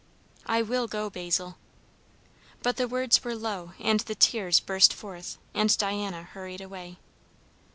"I will go, Basil." But the words were low and the tears burst forth, and Diana hurried away.